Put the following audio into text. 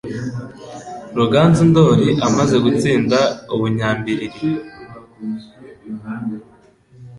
Ruganzu Ndoli, amaze gutsinda u Bunyambilili,